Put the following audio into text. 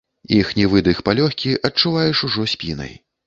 Іхні выдых палёгкі адчуваеш ужо спінай.